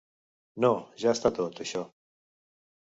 No, ja està tot, això.